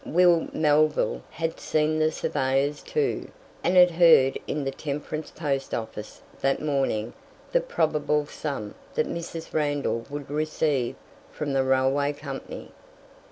'" Will Melville had seen the surveyors too, and had heard in the Temperance post office that morning the probable sum that Mrs. Randall would receive from the railway company.